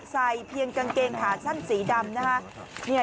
ใส่เพียงกางเกงขาสั้นสีดำนะคะ